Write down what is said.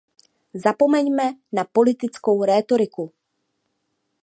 Zapomeňme na politickou rétoriku.